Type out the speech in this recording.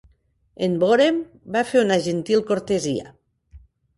En vore'm, va fer una gentil cortesia.